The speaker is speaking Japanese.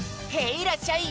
いらっしゃい！